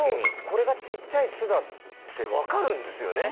これがちっちゃい「つ」だって分かるんですよね。